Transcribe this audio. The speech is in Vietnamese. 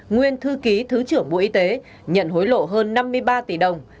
nguyên thư ký thứ trưởng bộ y tế nhận hối lộ hơn năm mươi ba tỷ đồng